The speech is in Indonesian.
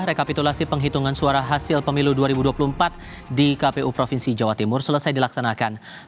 rekapitulasi penghitungan suara hasil pemilu dua ribu dua puluh empat di kpu provinsi jawa timur selesai dilaksanakan